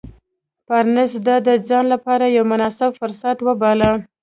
بارنس دا د ځان لپاره يو مناسب فرصت وباله.